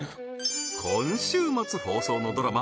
今週末放送のドラマ